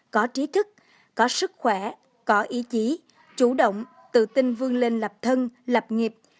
có trí thức có sức khỏe có ý chí chủ động tự tin vươn lên lập thân lập nghiệp